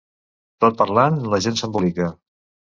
Tot parlant la gent s'embolica.